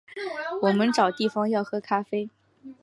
我们找地方要喝咖啡